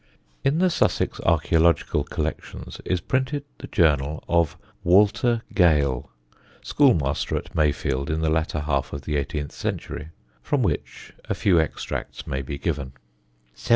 In the Sussex Archæological Collections is printed the journal of Walter Gale, schoolmaster at Mayfield in the latter half of the eighteenth century, from which a few extracts may be given: "1750.